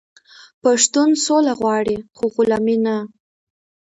پښتون سوله غواړي خو غلامي نه.